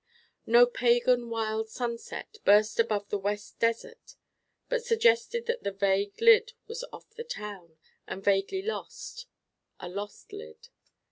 No pagan wild sunset burst above the west desert but suggested that the vague lid was off the town, and vaguely lost: a lost lid.